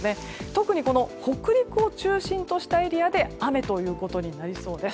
特に、北陸を中心としたエリアで雨ということになりそうです。